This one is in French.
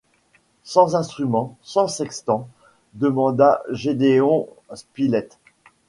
Sans instruments, sans sextant? demanda Gédéon Spilett.